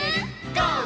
ゴー！」